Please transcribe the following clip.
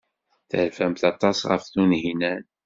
Terfamt aṭas ɣef Tunhinan.